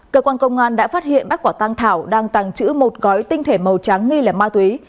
cơ quan công an đã phát hiện bắt quả tăng thảo đang tàng trữ một gói tinh thể màu trắng nghi lẻ ma túy